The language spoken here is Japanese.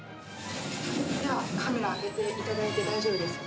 では、カメラを上げていただいて大丈夫です。